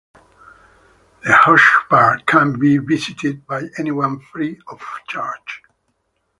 The Hochburg can be visited by anyone free of charge.